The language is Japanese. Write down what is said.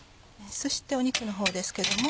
そして肉の方ですけども。